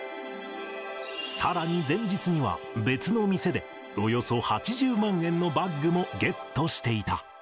さらに前日には、別の店でおよそ８０万円のバッグもゲットしていた。